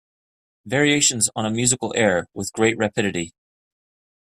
Variations on a musical air With great rapidity.